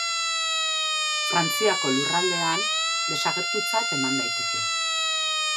Frantziako lurraldean desagertutzat eman daiteke.